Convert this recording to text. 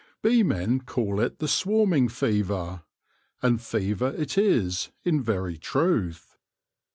Beemen call it the swarming fever ; and fever it is in very truth.